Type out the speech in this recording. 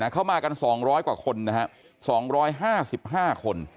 เข้ามากัน๒๐๐กว่าคนนะครับ๒๕๕คน